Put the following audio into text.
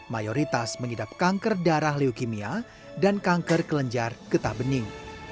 mayoritas mengidap kanker darah leukemia dan kanker kelenjar getah bening